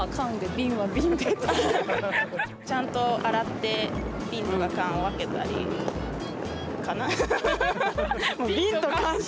ちゃんと洗ってビンとかカンを分けたりかな。